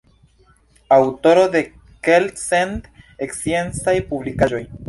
Aŭtoro de kelkcent sciencaj publikaĵoj.